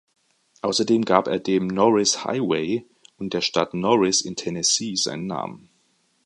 Außerdem gab er dem "Norris Highway" und der Stadt Norris in Tennessee seinen Namen.